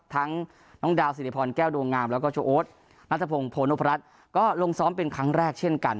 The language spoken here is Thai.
ทั้งน้องดาวสิริพรแก้วดวงงามแล้วก็โชว์โอ๊ตนัทพงศ์โพนพรัชก็ลงซ้อมเป็นครั้งแรกเช่นกัน